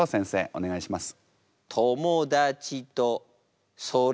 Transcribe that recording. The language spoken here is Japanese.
お願いします。